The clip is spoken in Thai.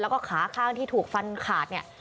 แล้วก็ขาข้างที่ถูกฟันขาดเนี่ย